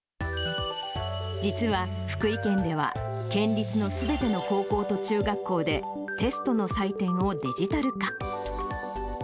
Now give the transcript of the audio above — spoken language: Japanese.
実は、福井県では、県立のすべての高校と中学校で、テストの採点をデジタル化。